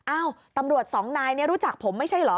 อ้าวตำรวจสองนายรู้จักผมไม่ใช่เหรอ